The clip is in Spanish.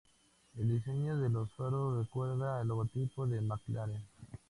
El diseño de los faros recuerda al logotipo de McLaren.